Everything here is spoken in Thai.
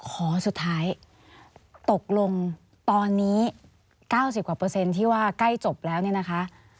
ขอสุดท้ายตกลงตอนนี้๙๐กว่าเปอร์เซ็นต์ที่ว่าใกล้จบแล้วเนี่ยนะคะ